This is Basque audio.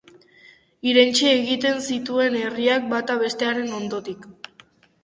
Irentsi egiten zituen herriak, bata bestearen ondotik.